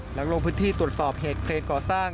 ลงพื้นที่ตรวจสอบเหตุเครนก่อสร้าง